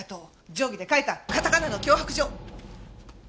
定規で書いたカタカナの脅迫状。